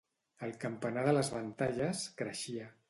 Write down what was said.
El campanar de les Ventalles creixia.